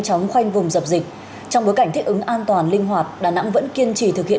chóng khoanh vùng dập dịch trong bối cảnh thích ứng an toàn linh hoạt đà nẵng vẫn kiên trì thực hiện